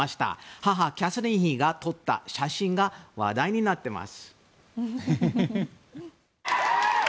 母キャサリン妃が撮った写真が話題になっています。